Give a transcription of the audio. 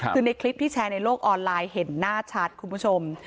คือในคลิปที่แชร์ในโลกออนไลน์เห็นหน้าชัดคุณผู้ชม